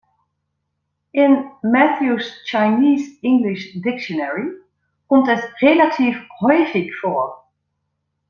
In Mathews’ Chinese-English Dictionary kommt es relativ häufig vor.